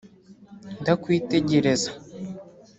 Ndakwitegereza